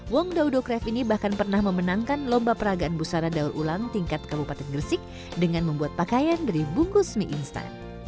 wong doudo craft ini bahkan pernah memenangkan lomba peragaan busana daur ulang tingkat kabupaten gresik dengan membuat pakaian dari bungkus mie instan